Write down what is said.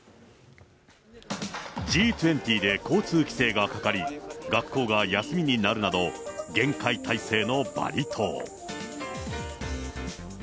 Ｇ２０で交通規制がかかり、学校が休みになるなど、厳戒態勢のバリ島。